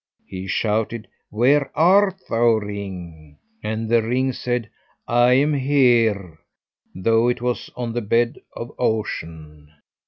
He shouted, 'Where art thou, ring?' And the ring said, 'I am here,' though it was on the bed of ocean.